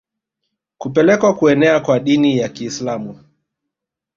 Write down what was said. Kupelekea kuenea kwa Dini ya Kiislamu